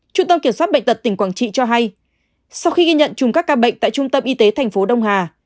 trung tâm kiểm soát bệnh tật tỉnh quảng trị cho hay sau khi ghi nhận chung các ca bệnh tại trung tâm y tế tp đông hà